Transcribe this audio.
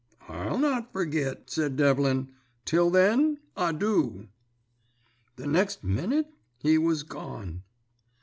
"'I'll not forgit,' said Devlin. 'Till then, adoo.' "The next minute he was gone.